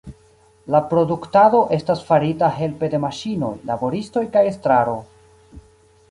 La produktado estas farita helpe de maŝinoj, laboristoj kaj estraro.